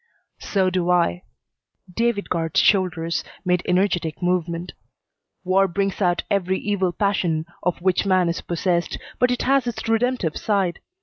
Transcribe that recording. "So do I." David Guard's shoulders made energetic movement. "War brings out every evil passion of which man is possessed, but it has its redemptive side.